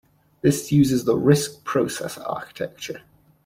This uses the Risc processor architecture.